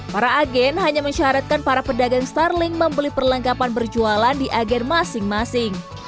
para agen hanya mensyaratkan para pedagang starling membeli perlengkapan berjualan di agen masing masing